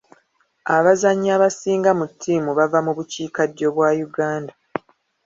Abazannyi abasinga mu ttiimu bava mu bukiikaddyo bwa Uuganda.